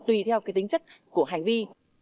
tùy theo cái tính chất của hành vi